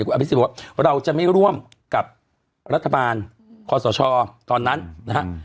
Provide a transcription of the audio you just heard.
คุณอภิษฎบอกว่าเราจะไม่ร่วมกับรัฐบาลคอสชตอนนั้นนะฮะ